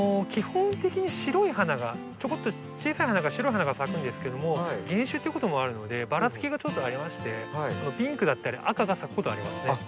基本的に白い花がちょこっと小さい花が白い花が咲くんですけども原種っていうこともあるのでばらつきがちょっとありましてピンクだったり赤が咲くことありますね。